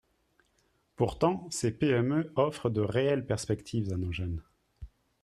Pourtant, ces PME offrent de réelles perspectives à nos jeunes.